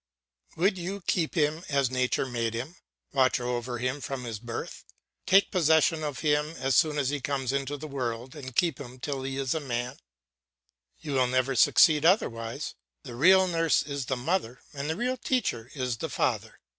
Would you keep him as nature made him? Watch over him from his birth. Take possession of him as soon as he comes into the world and keep him till he is a man; you will never succeed otherwise. The real nurse is the mother and the real teacher is the father.